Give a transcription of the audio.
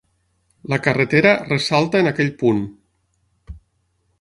La carretera ressalta en aquell punt.